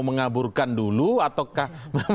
mengaburkan dulu ataukah